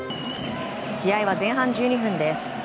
試合は前半１２分です。